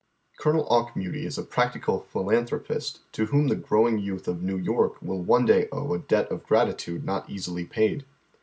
Colonel Auehmuty is a practical philanthropist to whom tlie growing youth of New York will one day owe a debt of gratitude not easily paid.